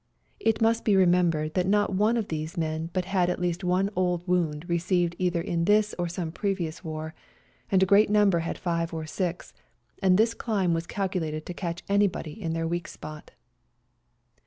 It must be re membered that not one of these men but K2 136 FIGHTING ON MOUNT CHUKUS had at least one old wound received either in this or some previous war, and a great number had five or six, and this climb was calculated to catch anybody in their weak spot.